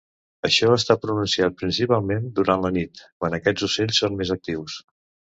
Això està pronunciat principalment durant la nit, quan aquests ocells són més actius.